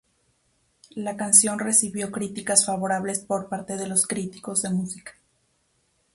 La canción recibió críticas favorables por parte de los críticos de música.